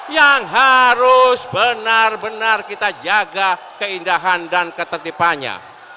yang harus benar benar kita jaga keindahan dan ketertibannya